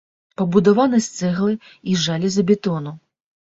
Пабудаваны з цэглы і жалезабетону.